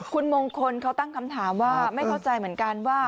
คุณมงคลเขาตั้งคำถามว่าไม่เข้าใจเหมือนกันว่า